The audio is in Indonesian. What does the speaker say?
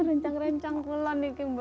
rencang rencang pula ini mbak